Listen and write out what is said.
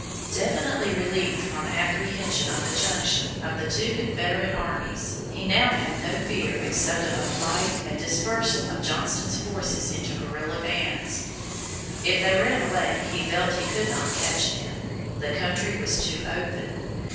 Definitely relieved from apprehension of a junction of the two Confederate armies, he now had no fear except of a flight and dispersal of Johnston's forces into guerrilla bands. If they ran away, he felt he could not catch them; the country was too open.